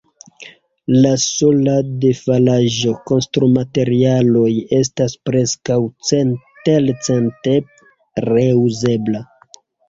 La sola defalaĵo, konstrumaterialoj, estas preskaŭ centelcente reuzebla.